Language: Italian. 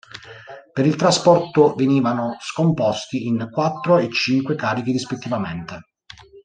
Per il trasporto venivano scomposti in quattro e cinque carichi rispettivamente.